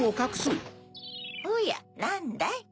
おやなんだい？